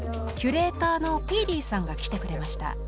キュレーターの皮力さんが来てくれました。